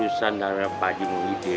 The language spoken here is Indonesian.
ustaz zakaria ada